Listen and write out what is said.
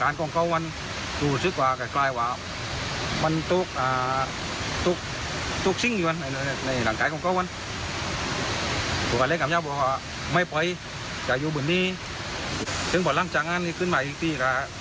ลองทรุนให้